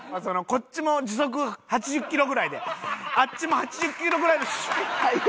こっちも時速８０キロぐらいであっちも８０キロぐらいでシュッ！